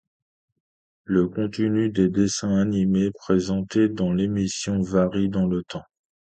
Le contenu des dessins animés présentés dans l'émission varie dans le temps.